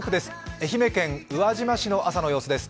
愛媛県宇和島市の朝の様子です。